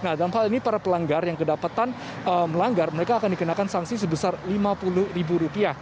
nah dalam hal ini para pelanggar yang kedapatan melanggar mereka akan dikenakan sanksi sebesar lima puluh ribu rupiah